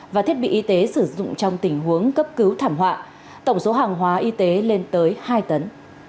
và thiết bị y tế sử dụng trong tình huống cấp cứu thảm họa tổng số hàng hóa y tế lên tới hai tấn